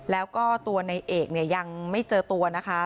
แล้วก็ตัวในเอกเนี่ยยังไม่เจอตัวนะคะ